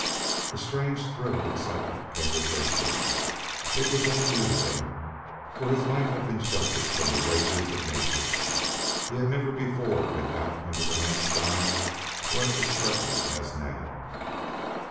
A strange thrill of excitement came to Thurston. It was all new to him; for his life had been sheltered from the rages of nature. He had never before been out under the night sky when it was threatening as now.